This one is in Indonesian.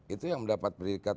itu yang mendapat predikat